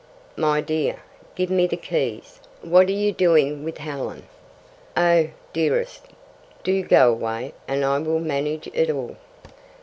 My dear, give me the keys. What are you doing with Helen?" "Oh, dearest, do go away, and I will manage it all."